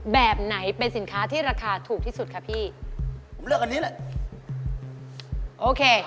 แบบไหนเป็นสินค้าที่ราคาถูกที่สุดคะพี่ผมเลือกอันนี้แหละโอเค